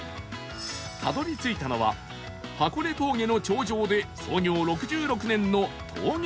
たどり着いたのは箱根峠の頂上で創業６６年の峠茶屋